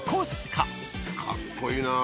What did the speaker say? かっこいいな。